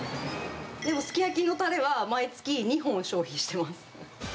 でも、すき焼きのたれは、毎月２本消費してます。